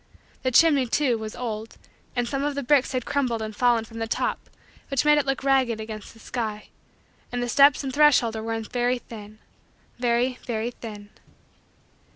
The chimney, too, was old and some of the bricks had crumbled and fallen from the top which made it look ragged against the sky. And the steps and threshold were worn very thin very, very, thin.